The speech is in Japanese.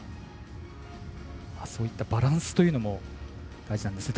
そういったバランスというのも大事なんですね。